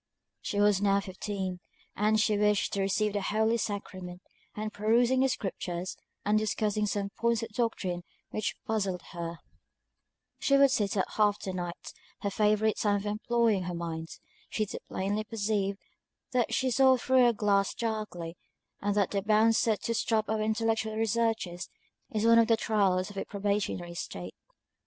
She was now fifteen, and she wished to receive the holy sacrament; and perusing the scriptures, and discussing some points of doctrine which puzzled her, she would sit up half the night, her favourite time for employing her mind; she too plainly perceived that she saw through a glass darkly; and that the bounds set to stop our intellectual researches, is one of the trials of a probationary state.